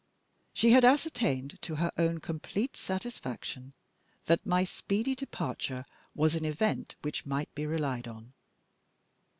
She had ascertained, to her own complete satisfaction, that my speedy departure was an event which might be relied on.